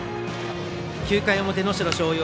９回表、能代松陽。